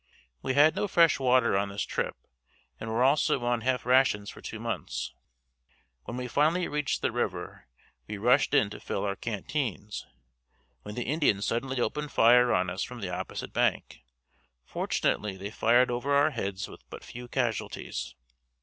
We had no fresh water on this trip and were also on half rations for two months. When we finally reached the river we rushed in to fill our canteens, when the Indians suddenly opened fire on us from the opposite bank. Fortunately they fired over our heads with but few casualties.